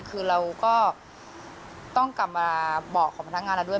คือเราก็ต้องกลับมาบอกของพนักงานเราด้วย